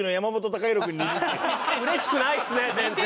嬉しくないっすね全然！